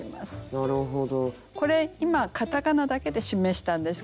なるほど。